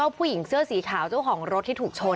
ผู้หญิงเสื้อสีขาวเจ้าของรถที่ถูกชน